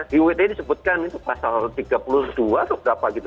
di wt disebutkan itu pasal tiga puluh dua atau berapa gitu